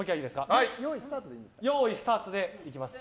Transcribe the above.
用意スタートでいきます。